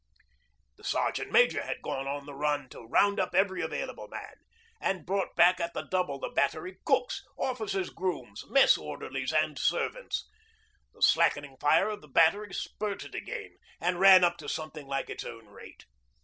The Sergeant Major had gone on the run to round up every available man, and brought back at the double the Battery cooks, officers' grooms, mess orderlies and servants. The slackening fire of the Battery spurted again and ran up to something like its own rate.